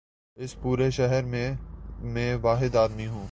اس پورے شہر میں، میں واحد آدمی ہوں۔